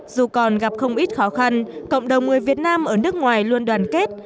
dù còn gặp không ít khó khăn cộng đồng người việt nam ở nước ngoài luôn đoàn kết